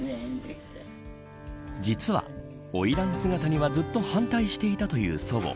実は、花魁姿にはずっと反対していたという祖母。